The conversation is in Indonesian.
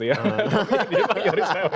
tapi dia panggilnya yoris tewi ya